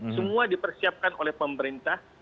semua dipersiapkan oleh pemerintah